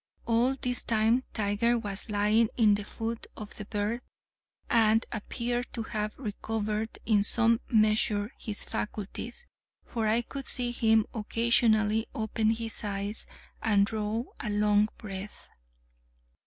All this time Tiger was lying in the foot of the berth, and appeared to have recovered in some measure his faculties, for I could see him occasionally open his eyes and draw a long breath.